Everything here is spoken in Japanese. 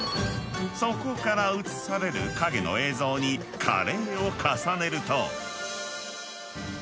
そこから映される影の映像にカレーを重ねると。